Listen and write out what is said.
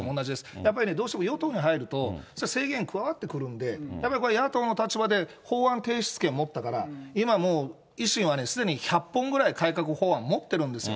やっぱり、どうしても与党に入ると、制限加わってくるんで、やっぱりこれは野党の立場で、法案提出権持ったから、今もう維新はね、すでに１００本ぐらい、改革法案持ってるんですよ。